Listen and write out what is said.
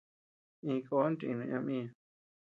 Iñkon chinuñ ama iña.